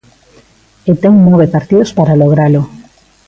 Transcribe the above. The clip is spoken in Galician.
E ten nove partidos para logralo.